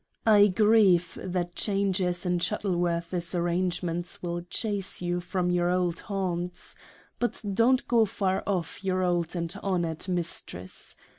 I grieve that Changes in Shuttleworth's Arrange ments will chace you from your old haunts but dont go far off your old and honored Mistress.